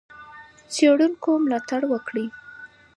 د څېړونکو ملاتړ وکړئ.